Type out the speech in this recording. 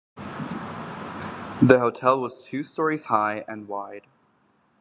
The hotel was two stories high and wide.